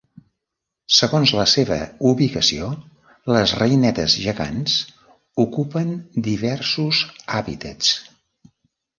Segons la seva ubicació, les reinetes gegants ocupen diversos hàbitats.